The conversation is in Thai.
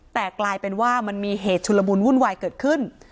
แต่กลายเป็นว่ามันมีเหตุชุลมุนวุ่นวายเกิดขึ้น